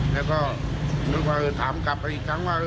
แล้วก็นึกว่าถามกลับไปอีกครั้งว่า